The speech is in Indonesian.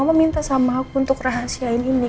aku minta sama aku untuk rahasiain ini